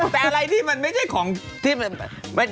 แต่อะไรอะมันไม่มีพี่รุ้น